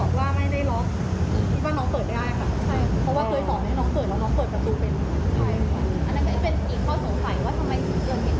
แหน่งแด้วฉลาดลาไปอะไรได้หลายอย่าง